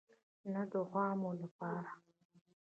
نه د عوامو لپاره.